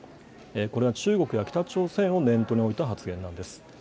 これは中国や北朝鮮を念頭に置いた発言なんです。